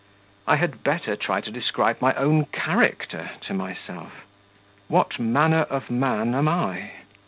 I had better try to describe my own character to myself. What manner of man am I?...